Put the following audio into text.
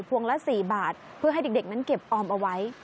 วงละ๔บาทเพื่อให้เด็กนั้นเก็บออมเอาไว้